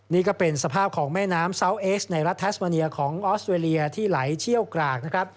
นี่ก็เป็นสภาพของแม่น้ำเซาวเอสในรัฐแทสมาเนียของออสเวรียที่ไหลเชี่ยวกรากนะครับ